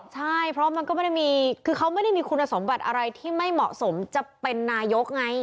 ใช่เพราะเค้าไม่ได้มีคุณสมบัติอะไรที่ไม่เหมาะสมจะเป็นนายกไง